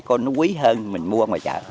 con nó quý hơn mình mua ngoài chợ